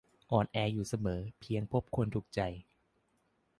"อ่อนแออยู่เสมอ เพียงพบคนถูกใจ"